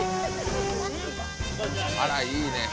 あらいいね。